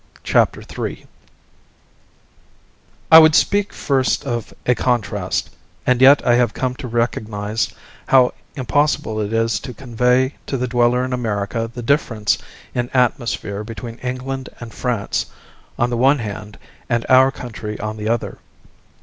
CHAPTER III I would speak first of a contrast and yet I have come to recognize how impossible it is to convey to the dweller in America the difference in atmosphere between England and France on the one hand and our country on the other.